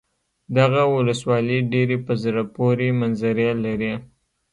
دغه ولسوالي ډېرې په زړه پورې منظرې لري.